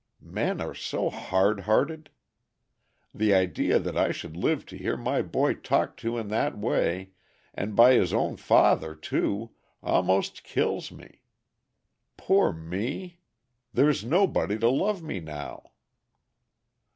Men are so hard hearted! The idea that I should live to hear my boy talked to in that way, and by his own father too, almost kills me. Poor me! there's nobody to love me now."